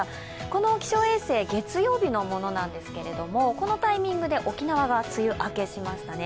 この気象衛星、月曜日のものなんですがこのタイミングで沖縄が梅雨明けしましたね。